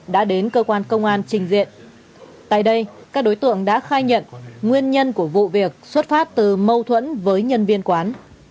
đã đến cơ quan công an trình diện tại đây các đối tượng đã khai nhận nguyên nhân của vụ việc xuất phát từ mâu thuẫn với nhân viên quán